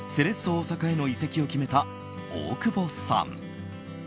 大阪への移籍を決めた大久保さん。